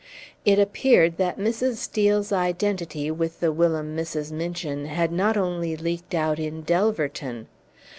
It appeared that Mrs. Steel's identity with the whilom Mrs. Minchin had not only leaked out in Delverton.